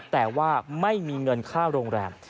แต่ว่าไม่มีเงินค่าโรงแรม